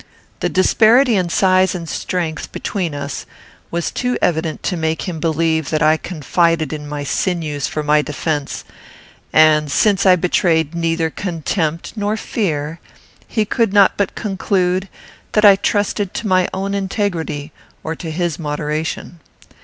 The disparity in size and strength between us was too evident to make him believe that I confided in my sinews for my defence; and, since I betrayed neither contempt nor fear, he could not but conclude that I trusted to my own integrity or to his moderation.